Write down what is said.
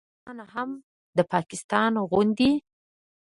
افغانستان هم د پاکستان غوندې